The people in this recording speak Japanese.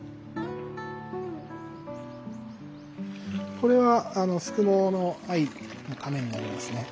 これはあのすくもの藍のかめになりますね。